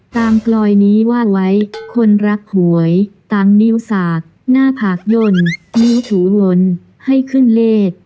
กลอยนี้วาดไว้คนรักหวยต่างนิ้วสากหน้าผากย่นนิ้วถูวนให้ขึ้นเลข